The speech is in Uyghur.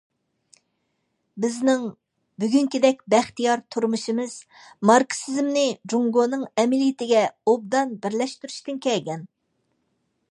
بىزنىڭ بۈگۈنكىدەك بەختىيار تۇرمۇشىمىز ماركسىزمنى جۇڭگونىڭ ئەمەلىيىتىگە ئوبدان بىرلەشتۈرۈشتىن كەلگەن.